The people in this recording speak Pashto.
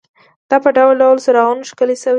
دا په ډول ډول څراغونو ښکلې شوې وې.